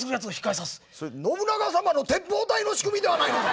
それ信長様の鉄砲隊の仕組みではないのか！